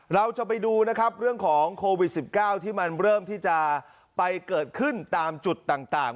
เราจะไปดูนะครับเรื่องของโควิด๑๙ที่มันเริ่มที่จะไปเกิดขึ้นตามจุดต่าง